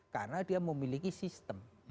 karena dia memiliki sistem